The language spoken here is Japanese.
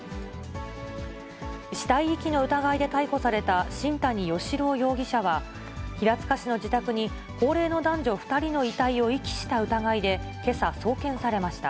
死体遺棄の疑いで逮捕された新谷嘉朗容疑者は、平塚市の自宅に高齢の男女２人の遺体を遺棄した疑いで、けさ送検されました。